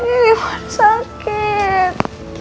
ini buat sakit